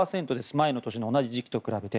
前の年の同じ時期と比べて。